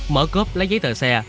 mở cốp lấy giấy tờ xe